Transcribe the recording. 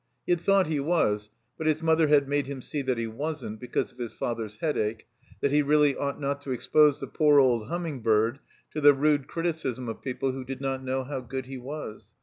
He had thought he was, but his mother had made him see that he wasn't, because of his father's Headache; that he really ought not to expose the poor old Humming bird to the rude criticism of people who did not know how good he was.